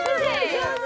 上手！